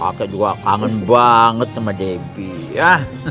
kakek juga kangen banget sama debbie ya